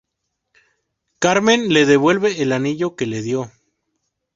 Carmen le devuelve el anillo que le dio.